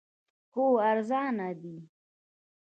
خو ارزانه دی